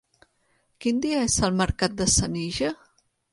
Quin dia és el mercat de Senija?